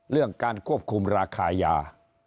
เรื่องการควบคุมราคายา